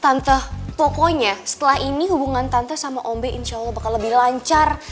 tante pokoknya setelah ini hubungan tante sama ombe insya allah bakal lebih lancar